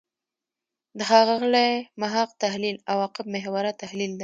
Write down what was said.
د ښاغلي محق تحلیل «عواقب محوره» تحلیل دی.